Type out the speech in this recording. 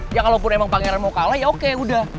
ya kalaupun emang pangeran mau kalah ya oke udah